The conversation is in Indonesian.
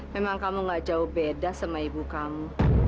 memang kamu gak jauh beda sama ibu kamu